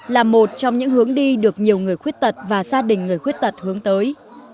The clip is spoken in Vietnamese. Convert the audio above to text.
là một trong những hướng đi được nhiều người khuyết tật và gia đình người khuyết tật hướng tới